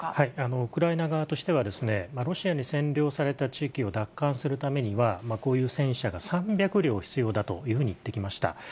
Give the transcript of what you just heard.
ウクライナ側としては、ロシアに占領された地域を奪還するためには、こういう戦車が３００両必要だというふうに言ってきました。